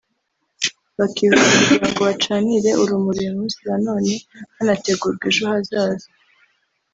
bakibuka kugirango bacanire urumuri uyu munsi wa none hanategurwa ejo hazaza